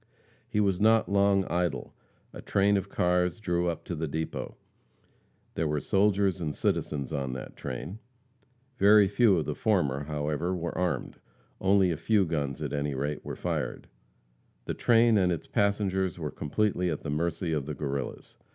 He was not long idle. A train of cars drew up to the depot. There were soldiers and citizens on that train. Very few of the former, however, were armed. Only a few guns, at any rate, were fired. The train and its passengers were completely at the mercy of the Guerrillas.